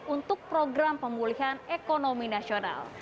untuk program pemulihan ekonomi nasional